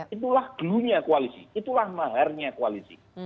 itulah gelunya koalisi